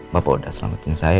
bapak udah selamatin saya